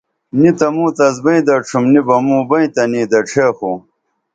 نِیتہ موں تس بئیں دڇُھم نی بہ موں بئیں تنی دڇھے خو